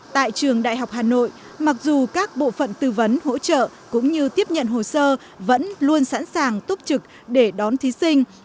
tại trường đại học hà nội mặc dù các bộ phận tư vấn hỗ trợ cũng như tiếp nhận hồ sơ vẫn luôn sẵn sàng túc trực để đón thí sinh